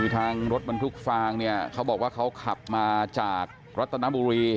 ทางรถบรรทุกฟางเนี่ยเขาบอกว่าเขาขับมาจากรัตนบุรี